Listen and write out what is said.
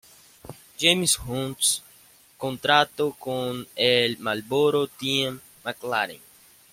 James Hunt contrató con el Marlboro Team McLaren.